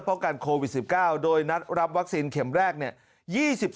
เพราะการโควิด๑๙โดยนัดรับวัคซีนเข็มแรกเนี่ย